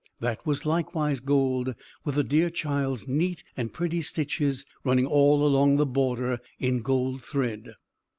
That was likewise gold, with the dear child's neat and pretty stitches running all along the border, in gold thread!